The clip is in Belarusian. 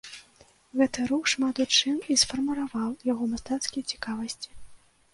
Гэты рух шмат у чым і сфармаваў яго мастацкія цікавасці.